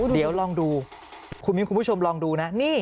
เดี๋ยวลองดู